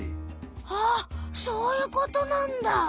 はっそういうことなんだ！